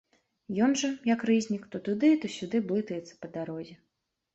Ён жа, як рызнік, то туды, то сюды блытаецца па дарозе.